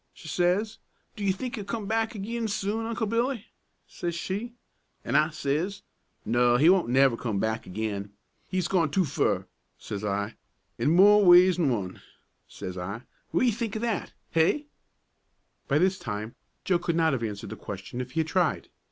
she says. 'Do you think he'll come back agin soon, Uncle Billy?' says she. An' I says, 'No, he won't never come back agin. He's gone too fur,' says I, 'in more ways 'an one,' says I. What ye think o' that? Hey?" But this time Joe could not have answered the question if he had tried.